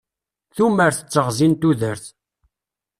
Tumert d teɣzi n tudert.